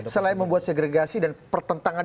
selain membuat segregasi dan pertentangan